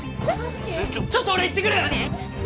ちょっと俺行ってくる！